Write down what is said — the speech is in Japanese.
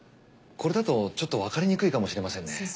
これだとちょっとわかりにくいかもしれませんね。